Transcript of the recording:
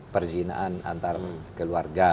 perzinaan antar keluarga